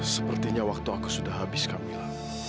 sepertinya waktu aku sudah habis kamilah